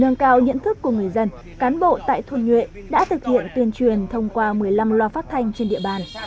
để nâng cao nhận thức của người dân cán bộ tại thôn nhuệ đã thực hiện tuyên truyền thông qua một mươi năm loa phát thanh trên địa bàn